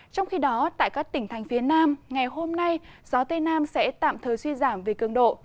trong khi đó tại các tỉnh thành phía nam ngày hôm nay gió tây nam sẽ tạm thời suy giảm về cường độ